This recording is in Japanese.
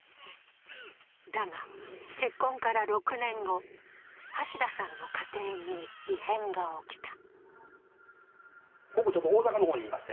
だが、結婚から６年後、橋田さんの家庭に異変が起きた。